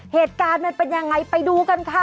เหตุการณ์มันเป็นยังไงไปดูกันค่ะ